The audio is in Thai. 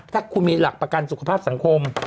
ถ้าคุณมีหลักประกันสุขภาพสังคม